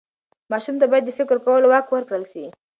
ماشوم ته باید د فکر کولو واک ورکړل سي.